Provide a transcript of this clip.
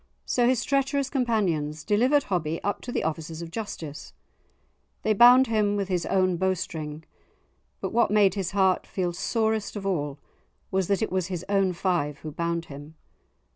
So his treacherous companions delivered Hobbie up to the officers of justice; they bound him with his own bowstring, but what made his heart feel sorest of all, was that it was his own five who bound him.